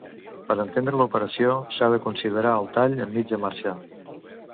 Per entendre l'operació, s'ha de considerar el tall en mitja marxa.